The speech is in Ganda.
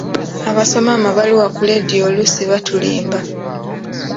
Abasoma amabaluwa ku leediyo oluusi batulimba.